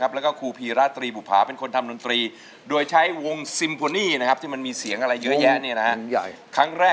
แล้วก็ครูพีราตรีบุภาเป็นคนทำดนตรีโดยใช้วงซิมโพนี่ที่มันมีเสียงอะไรเยอะแยะ